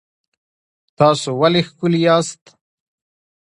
تاسو ولې ښکلي یاست؟